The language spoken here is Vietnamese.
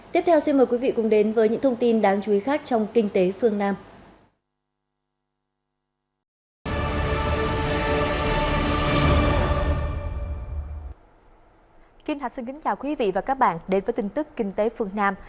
tiếp theo xin mời quý vị cùng đến với những thông tin đáng chú ý khác trong kinh tế phương nam